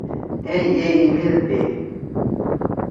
ئے اے ای میل پ